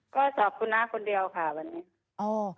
ก็สอบคุณน้าคนเดียวค่ะวันนี้